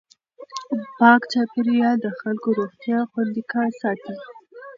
پاک چاپېریال د خلکو روغتیا خوندي ساتي.